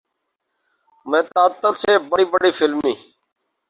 میں تعطل سے بڑی بڑی فلمی